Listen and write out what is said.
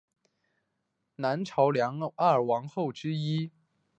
南朝梁二王后之一。